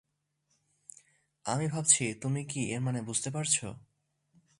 আমি ভাবছি তুমি কি এর মানে বুঝতে পারছো?